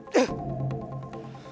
bukan urusan lo